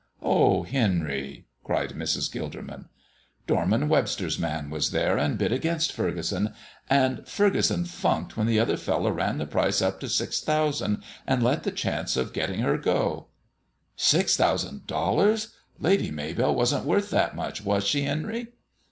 "Oh, Henry!" cried Mrs. Gilderman. "Dorman Webster's man was there and bid against Furgeson, and Furgeson funked when the other fellow ran the price up to six thousand, and let the chance of getting her go." "Six thousand dollars! Lady Maybell wasn't worth that much; was she, Henry?"